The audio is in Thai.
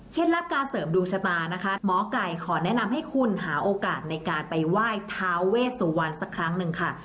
ลับการเสริมดวงชะตานะคะหมอไก่ขอแนะนำให้คุณหาโอกาสในการไปไหว้ทาเวสุวรรณสักครั้งหนึ่งค่ะ